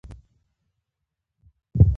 احمد خپل مشر ورور له لاسه ورکړ.